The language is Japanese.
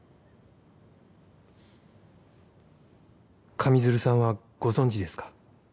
上水流さんはご存じですか？